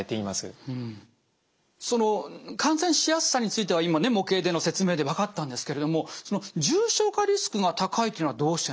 その感染しやすさについては今ね模型での説明で分かったんですけれどもその重症化リスクが高いというのはどうしてなんですか？